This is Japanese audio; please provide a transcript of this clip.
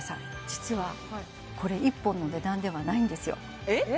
実はこれ１本の値段ではないんですよえっ？